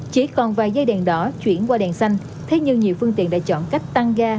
chỉ còn vài dây đèn đỏ chuyển qua đèn xanh thế nhưng nhiều phương tiện đã chọn cách tăng ga